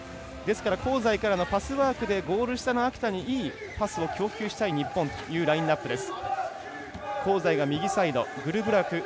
香西からのパスワークでゴール下の秋田にいいパスを供給したい日本というラインアップです。